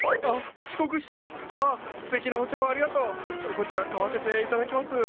こちら買わせて頂きます！